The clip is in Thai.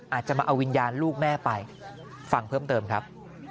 อาจจะมาเอาวิญญาณลูกแม่ไปฟังเพิ่มเติมครับ